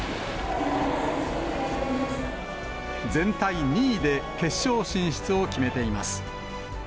全体２位で決勝進出を決めています。